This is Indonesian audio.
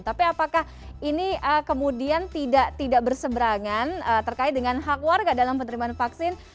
tapi apakah ini kemudian tidak berseberangan terkait dengan hak warga dalam penerimaan vaksin